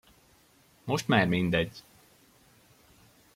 Most már mindegy!